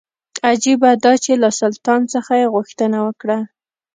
عجیبه دا چې له سلطان څخه یې غوښتنه وکړه.